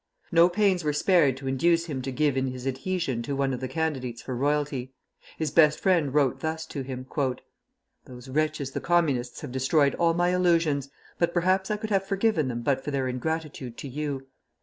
No pains were spared to induce him to give in his adhesion to one of the candidates for royalty. His best friend wrote thus to him: "Those wretches the Communists have destroyed all my illusions, but perhaps I could have forgiven them but for their ingratitude to you.